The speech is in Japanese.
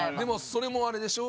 それもあれでしょ？